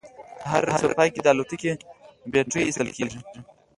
د هرې ورځې په پای کې د الوتکې بیټرۍ ایستل کیږي